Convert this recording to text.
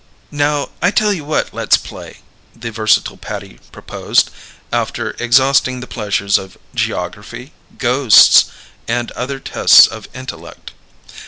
"Now I tell you what let's play," the versatile Patty proposed, after exhausting the pleasures of "Geography," "Ghosts" and other tests of intellect.